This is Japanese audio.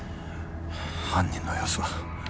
犯人の様子は？